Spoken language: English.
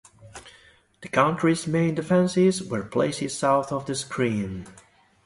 The country's main defenses were placed south of the screen.